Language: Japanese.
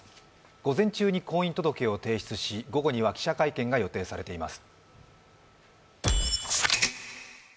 午前中に婚姻届を提出し、午後には記者会見が予定されています。